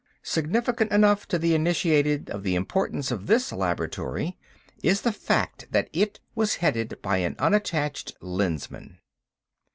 Significant enough to the initiated of the importance of this laboratory is the fact that it was headed by an Unattached Lensman.